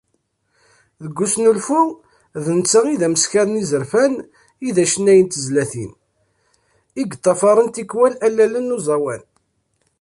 Deg usnulfu, d netta i d ameskar n yisefra, i d acennay n tezlatin i yeṭṭafaren tikwal allalen n uẓawan.